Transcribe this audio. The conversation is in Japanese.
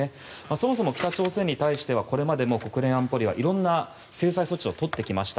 そもそも北朝鮮に対してはこれまでも国連安保理はいろんな制裁措置をとってきました。